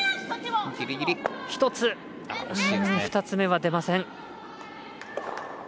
２つ目は出ません。